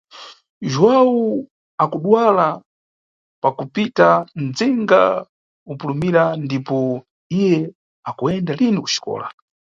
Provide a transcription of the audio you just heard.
Jhuwawu akudwala pakupita nʼdzinga upulumira ndipo iye akuyenda lini kuxikola.